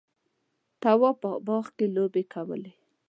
تواب په باغ کې لوبې کولې.